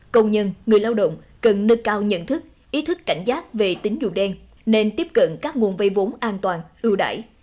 công nhân người lao động cần nâng cao nhận thức ý thức cảnh giác về tính dụng đen nên tiếp cận các nguồn vây vốn an toàn ưu đại